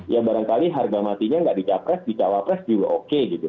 ya barangkali harga matinya nggak di capres di cawapres juga oke gitu